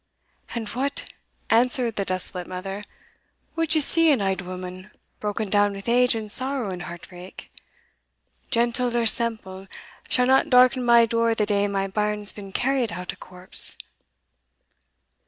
"And what," answered the desolate mother, "wad ye see at an auld woman, broken down wi' age and sorrow and heartbreak? Gentle or semple shall not darken my door the day my bairn's been carried out a corpse."